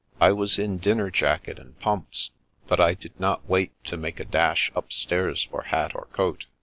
I was in dinner jacket and pumps, but I did not wait to make a dash upstairs for hat or coat.